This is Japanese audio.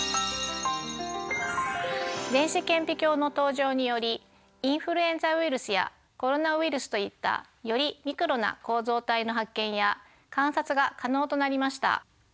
電子顕微鏡の登場によりインフルエンザウイルスやコロナウイルスといったよりミクロな構造体の発見や観察が可能となりました。